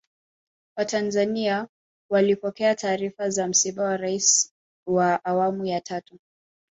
watanzania walipokea taarifa za msiba wa raisi wa awamu ya tatu